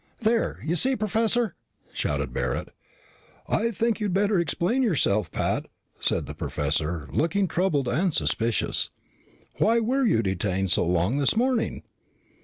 "There! You see, Professor!" shouted Barret. "I think you'd better explain yourself, Pat," said the professor, looking troubled and suspicious. "Why were you detained so long this morning?"